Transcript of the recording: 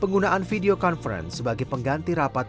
penggunaan video conference sebagai pengganti rapatan video